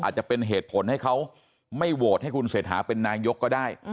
อาจจะเป็นเหตุผลให้เขาไม่โหวตให้คุณเศรษฐาเป็นนายกก็ได้